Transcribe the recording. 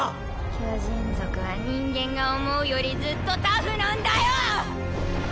巨人族は人間が思うよりずっとタフなんだよ！